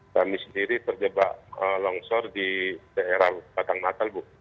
kami sendiri terjebak longsor di daerah batang matal bu